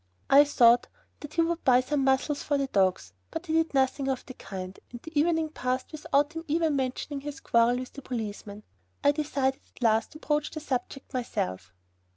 I thought that he would buy some muzzles for the dogs, but he did nothing of the kind, and the evening passed without him even mentioning his quarrel with the policeman. I decided at last to broach the subject myself.